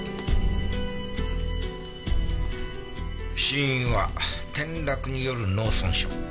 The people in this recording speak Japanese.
死因は転落による脳損傷。